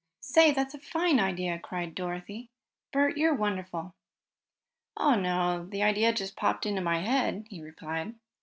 "Say, that's a fine idea!" cried Dorothy. "Bert, you're wonderful." "Oh, no, the idea just popped into my head," he replied.